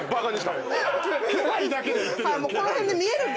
この辺で見えるんで。